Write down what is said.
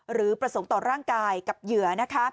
หรือประสงค์ต่อร่างกายกับเหยื่อนะคะ